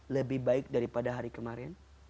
lebih baik daripada hari kemarin